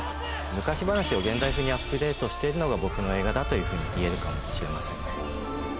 昔話を現代風にアップデートしているのが僕の映画だというふうにいえるかもしれませんね。